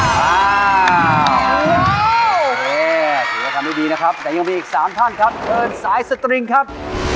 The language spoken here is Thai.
หรือว่าทำดีดีนะครับแต่ยังมีอีกสามท่านครับเพิ่มสายสตริงครับ